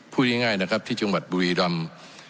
พูดง่ายนะครับที่จังหวัดบุรีรำ